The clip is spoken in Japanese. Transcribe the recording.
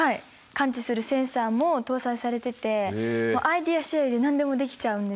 感知するセンサーも搭載されててアイデア次第で何でもできちゃうんです。